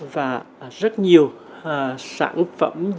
và rất nhiều sản phẩm dịch vụ